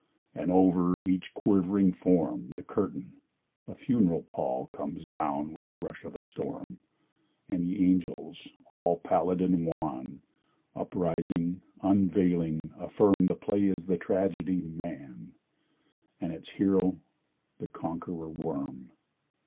And, over each quivering form, The curtain, a funeral pall, Comes down with the rush of a storm And the angels, all pallid and wan, Uprising, unveiling, affirm That the play is the tragedy, "Man," And its hero the Conqueror Worm.